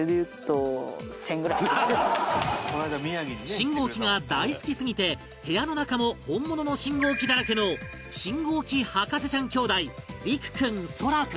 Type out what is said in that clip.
信号機が大好きすぎて部屋の中も本物の信号機だらけの信号機博士ちゃん兄弟莉玖君蒼空君